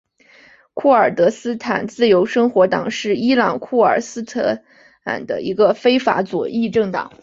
库尔德斯坦自由生活党是伊朗库尔德斯坦的一个非法的左翼政党。